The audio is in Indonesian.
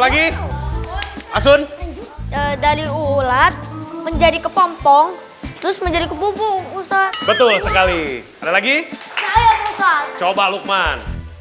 lagi asun dari ulat menjadi kepompong terus menjadi kebubung betul sekali lagi coba lukman